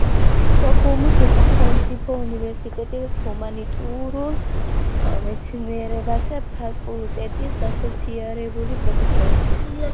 სოხუმის სახელმწიფო უნივერსიტეტის ჰუმანიტარულ მეცნიერებათა ფაკულტეტის ასოცირებული პროფესორი.